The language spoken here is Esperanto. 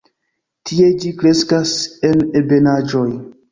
Tie ĝi kreskas en ebenaĵoj.